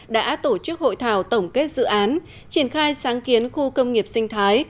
đã tổ chức hội thảo tổng kết dự án triển khai sáng kiến khu công nghiệp sinh thái